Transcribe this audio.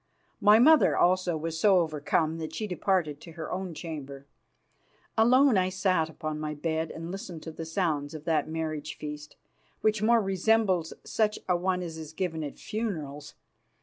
My mother also was so overcome that she departed to her own chamber. Alone I sat upon my bed and listened to the sounds of that marriage feast, which more resembled such a one as is given at funerals.